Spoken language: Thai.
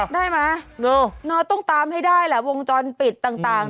ได้ไหมต้องตามให้ได้แหละวงจรปิดต่าง